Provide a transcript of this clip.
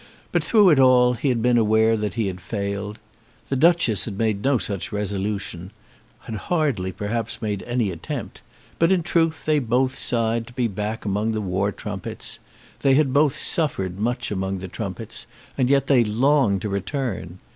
But through it all he had been aware that he had failed. The Duchess had made no such resolution, had hardly, perhaps, made any attempt; but, in truth, they had both sighed to be back among the war trumpets. They had both suffered much among the trumpets, and yet they longed to return.